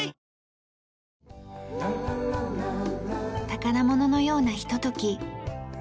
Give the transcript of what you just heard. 宝物のようなひととき。